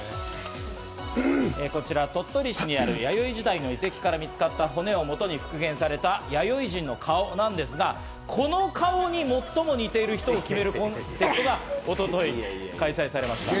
こちら鳥取市にある弥生時代の遺跡から見つかった骨をもとに復元された弥生人の顔なんですが、この顔に最も似ている人を決めるコンテストが一昨日開催されました。